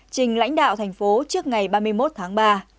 trình lãnh đạo thành phố trước ngày ba mươi một tháng ba